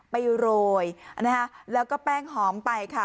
ไปโรยแล้วก็แป้งหอมไปค่ะ